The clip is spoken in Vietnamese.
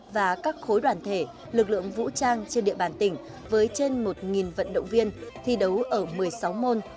và các khối đoàn thể lực lượng vũ trang trên địa bàn tỉnh với trên một vận động viên thi đấu ở một mươi sáu môn